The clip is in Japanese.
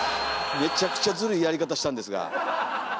めちゃくちゃずるいやり方したんですが。